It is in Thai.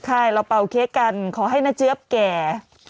ใช่เราเป่าเค้กกันขอให้น้าเจี๊ยบแก่